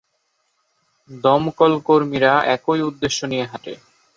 দমকলকর্মীরা একই উদ্দেশ্য নিয়ে হাঁটে।